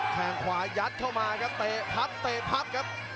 แข่งขวายัดเข้ามาครับเตะพับเตะพับครับ